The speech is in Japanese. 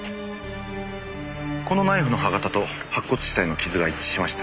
このナイフの刃形と白骨死体の傷が一致しました。